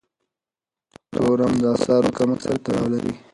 تورم د اسعارو کمښت سره تړاو لري.